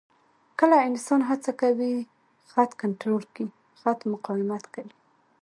کله انسان هڅه کوي خط کنټرول کړي، خط مقاومت کوي.